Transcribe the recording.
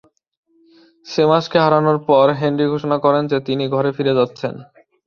শেমাসকে হারানোর পর, হেনরি ঘোষণা করেন যে তিনি "ঘরে ফিরে যাচ্ছেন"।